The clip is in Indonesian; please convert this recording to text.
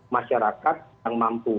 masyarakat yang mampu